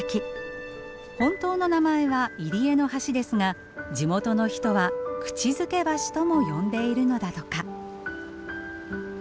本当の名前は入り江の橋ですが地元の人は口づけ橋とも呼んでいるのだとか。